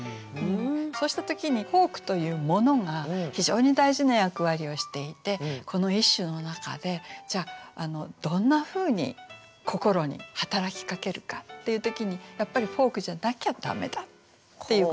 そうした時にフォークというものが非常に大事な役割をしていてこの一首の中でじゃあどんなふうに心に働きかけるかっていう時にやっぱりフォークじゃなきゃ駄目だっていうことなんですね。